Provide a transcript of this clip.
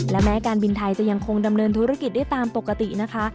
และแม้การบินไทยจะยังคงดำเนินธุรกิจได้ตามปกตินะคะ